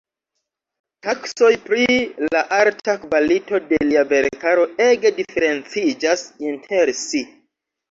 Taksoj pri la arta kvalito de lia verkaro ege diferenciĝas inter si.